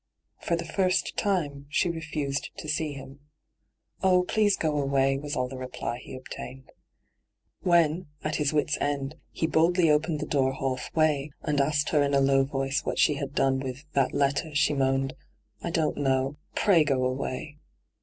For the first time she refused to see him. ' Oh, please go away,' was all the reply he obtained. When, at his wits' end, he boldly opened the door half way, and asked her in a low voice what she had done with ' that letter,* she moaned :' I don't know. Pray go away.